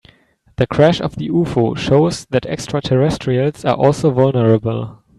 The crash of the UFO shows that extraterrestrials are also vulnerable.